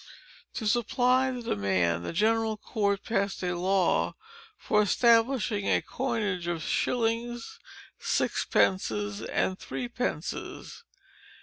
To supply the demand, the general court passed a law for establishing a coinage of shillings, sixpences, and threepences.